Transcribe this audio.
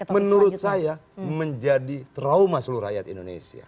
menurut saya menjadi trauma seluruh rakyat indonesia